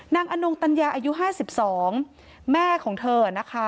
อนงตัญญาอายุ๕๒แม่ของเธอนะคะ